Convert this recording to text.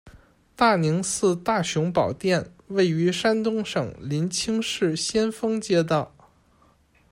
大宁寺大雄宝殿，位于山东省临清市先锋街道。